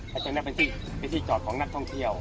เพราะฉะนั้นเป็นที่จอดของนักท่องเที่ยว